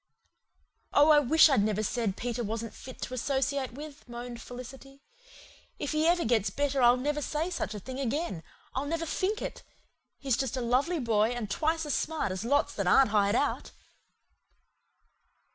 "Oh, I wish I'd never said Peter wasn't fit to associate with," moaned Felicity. "If he ever gets better I'll never say such a thing again I'll never THINK it. He's just a lovely boy and twice as smart as lots that aren't hired out."